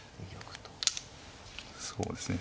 そうですね